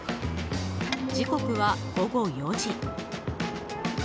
時刻は午後４時。